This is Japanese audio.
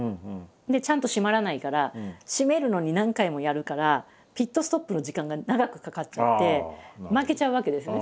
ちゃんと締まらないから締めるのに何回もやるからピットストップの時間が長くかかっちゃって負けちゃうわけですね